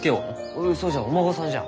うんそうじゃお孫さんじゃ。